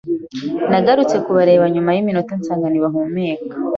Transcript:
Nagarutse kubareba nyuma y’iminota nsanga ntibahumeka